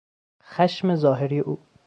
خشم ظاهری او